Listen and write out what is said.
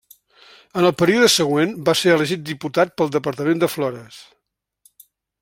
En el període següent va ser elegit diputat pel departament de Flores.